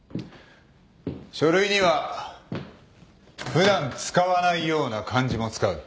書類には普段使わないような漢字も使う。